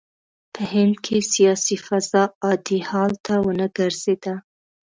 په هند کې سیاسي فضا عادي حال ته ونه ګرځېده.